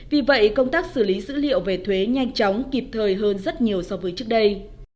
vì vậy công tác xử lý dữ liệu về thuế nhanh chóng kịp thời hơn rất nhiều so với trước đây